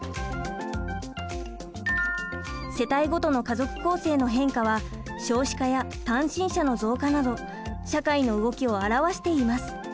世帯ごとの家族構成の変化は少子化や単身者の増加など社会の動きを表しています。